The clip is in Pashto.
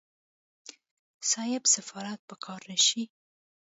صيب سفارت په قار نشي.